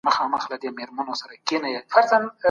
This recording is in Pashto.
تاسې بايد د خپلو موخو لپاره کوښښ وکړئ.